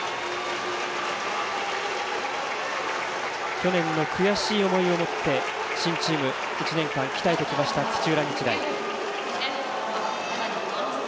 去年の悔しい思いを持って新チーム、１年間鍛えてきました土浦日大。